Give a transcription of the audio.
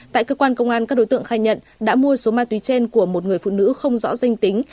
tại cơ quan công an các đối tượng khai nhận đã mua số ma túy trên của một người phụ nữ không rõ danh tính